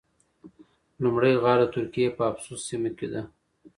لومړی غار د ترکیې په افسوس سیمه کې ده.